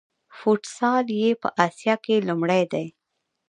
فوټسال یې په اسیا کې لومړی دی.